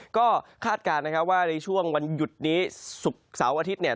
ก็คาดการณ์นะครับว่าในช่วงวันหยุดนี้ศุกร์เสาร์อาทิตย์เนี่ย